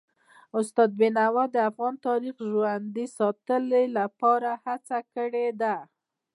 استاد بینوا د افغان تاریخ د ژوندي ساتلو لپاره هڅه کړي ده.